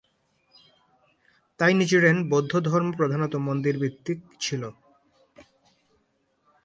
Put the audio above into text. তাই নিচিরেন-বৌদ্ধ ধর্ম প্রধানত মন্দিরভিত্তিক ছিল।